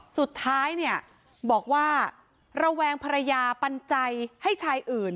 สุดท้ายเนี่ยบอกว่าระแวงภรรยาปันใจให้ชายอื่น